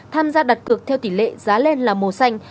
tham gia đặt cược theo tỷ lệ giá lên là màu xanh